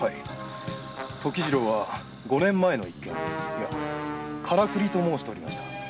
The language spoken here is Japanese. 時次郎は五年前の一件いや「カラクリ」と申しておりました。